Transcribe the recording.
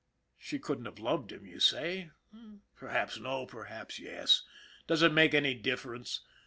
She couldn't have loved him, you say. Perhaps no, perhaps yes. Does it make any dif ference